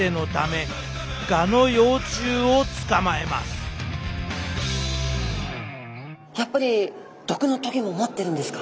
穴を掘ってやっぱり毒のとげも持ってるんですか？